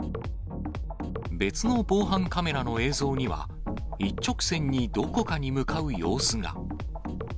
別の防犯カメラの映像には、一直線にどこかに向かう様子が。